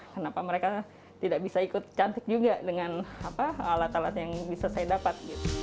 kenapa mereka tidak bisa ikut cantik juga dengan alat alat yang bisa saya dapat